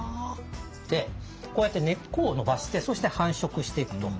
でこうやって根っこを伸ばしてそして繁殖していくと。